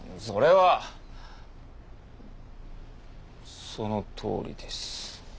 それはそのとおりです。